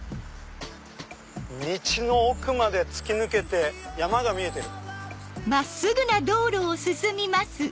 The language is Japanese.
道の奥まで突き抜けて山が見えてる。